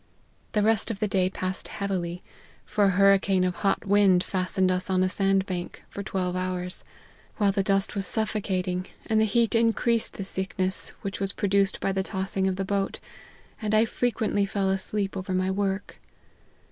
The rest of the day passed heavily ; for a hurricane of hot wind fast ened us on a sand bank, for twelve hours ; while the dust was suffocating, and the heat increased the sickness which was produced by the tossing of the boat, and I frequently fell asleep over my work.